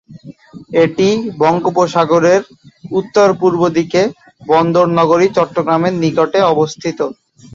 এটি বঙ্গোপসাগরের উত্তর-পূর্ব দিকে, বন্দর নগরী চট্টগ্রামের নিকটে অবস্থিত।